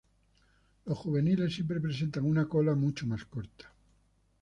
Los juveniles siempre presentan una cola mucho más corta.